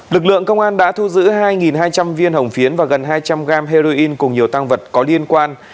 lực lượng công an đã thu giữ hai hai trăm linh viên hồng phiến và gần hai trăm linh g heroin cùng nhiều tăng vật có liên quan